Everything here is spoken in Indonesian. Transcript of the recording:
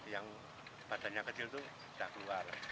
yang badannya kecil itu sudah keluar